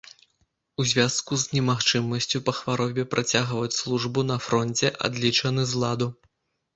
У звязку з немагчымасцю па хваробе працягваць службу на фронце, адлічаны з ладу.